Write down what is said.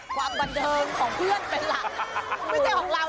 ความบันเงินของเพื่อนเป็นหลัก